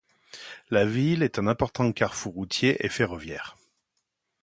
La ville est un important carrefour routier et ferroviaire.